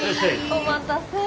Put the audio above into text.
お待たせ。